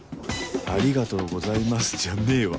「ありがとうございます」じゃねえわ